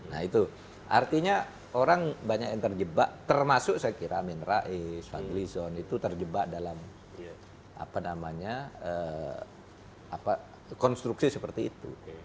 nah itu artinya orang banyak yang terjebak termasuk saya kira amin rais fadli zon itu terjebak dalam konstruksi seperti itu